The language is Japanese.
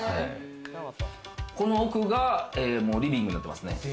この奥がリビングになってますね。